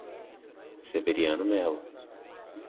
Severiano Melo